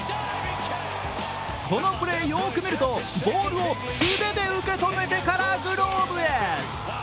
このプレー、よーく見るとボールを素手で受け止めてからグローブへ。